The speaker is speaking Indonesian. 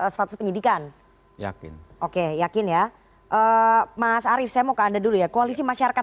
status penyidikan yakin oke yakin ya mas arief saya mau ke anda dulu ya koalisi masyarakat